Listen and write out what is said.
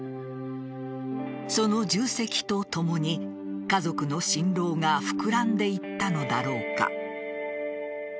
その重責とともに、家族の心労が膨らんでいったのだろうか。